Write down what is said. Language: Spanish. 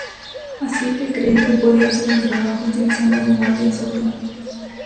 Así que creí que podía hacer mi trabajo, utilizando mi guardia zurda.